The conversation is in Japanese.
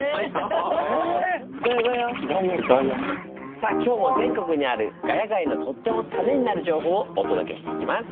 さあ今日も全国にある「ヶ谷街」のとってもためになる情報をお届けしていきます。